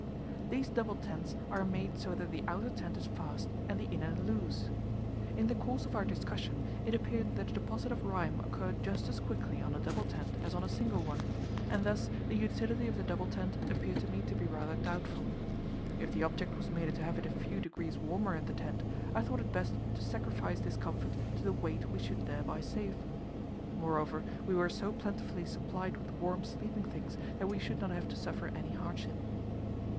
These double tents are made so that the outer tent is fast and the inner loose. In the course of our discussion, it appeared that the deposit of rime occurred just as quickly on a double tent as on a single one, and thus the utility of the double tent appeared to me to be rather doubtful. If the object was merely to have it a few degrees warmer in the tent, I thought it best to sacrifice this comfort to the weight we should thereby save. Moreover, we were so plentifully supplied with warm sleeping things that we should not have to suffer any hardship.